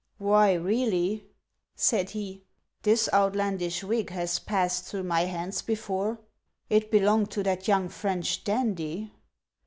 " Why, really," said he, " this outlandish wig has passed through my hands before ; it belonged to that young French dandy.